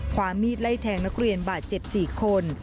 ความมีดไล่แทงนักเรียนบาดเจ็บ๔คน